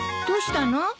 どうしたの？